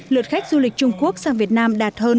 lượt khách du lịch trung quốc sang việt nam đạt hơn bốn năm